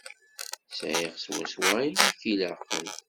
Sεiɣ swaswa ayen i k-ilaqen.